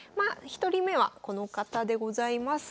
１人目はこの方でございます。